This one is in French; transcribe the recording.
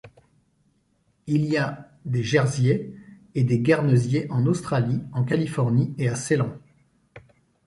Il y a des jersiais et des guernesiais en Australie, en Californie, à Ceylan.